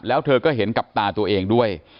แล้วเธอก็เห็นกับตาตัวเองด้วย